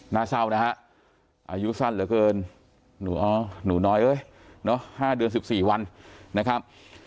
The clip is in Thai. น่าเศร้านะครับอายุสั้นเหลือเกินหนูน้อยเอยห้าเดือนสิบสี่วันนะครับ